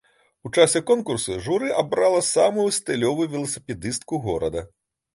У часе конкурсу журы абрала самую стылёвую веласіпедыстку горада.